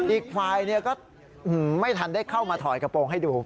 อีกฝ่ายก็ไม่ทันได้เข้ามาถอยกระโปรงให้ดู